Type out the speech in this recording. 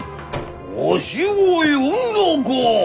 「わしを呼んだか？」。